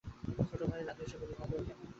ছোটো ভাই রাধু এসে বললে, দাদা, আর কেন?